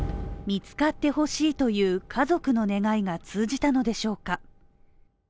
見つかってほしいという家族の願いが通じたのでしょうか？